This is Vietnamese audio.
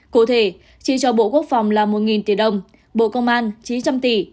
cụ thể chi cho bộ quốc phòng là một tỷ đồng bộ công an chí một trăm linh tỷ